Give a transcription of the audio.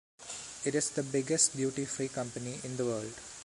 It is the biggest duty-free company in the world.